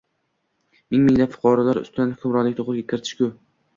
ming-minglab fuqarolar ustidan hukmronlikni qo’lga kiritish-ku!